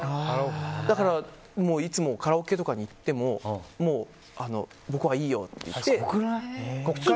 だからいつもカラオケとかに行っても僕はいいよって言って。